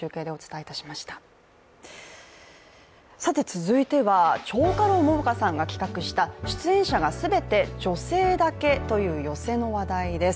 続いては、蝶花楼桃花さんが企画した出演者が全て女性だけという寄席の話題です。